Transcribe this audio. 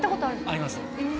あります。